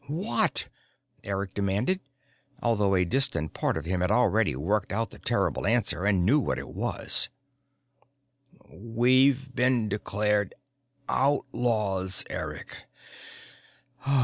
"What?" Eric demanded, although a distant part of him had already worked out the terrible answer and knew what it was. "We've been declared outlaws, Eric.